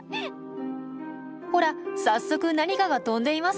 ほら早速何かが飛んでいますよ。